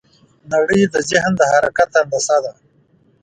نړۍ د ذهن د حرکت هندسه ده.